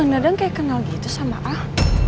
kok mana dadang kayak kenal gitu sama ah